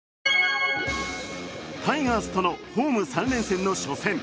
タイガースとのホーム３連戦の初戦。